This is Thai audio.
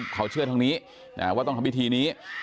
เขาเชื่อทางนี้ว่าต้องทำพิธีนี้